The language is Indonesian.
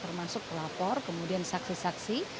termasuk pelapor kemudian saksi saksi